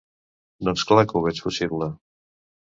Doncs clar que ho veig possible.